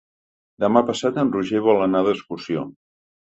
Demà passat en Roger vol anar d'excursió.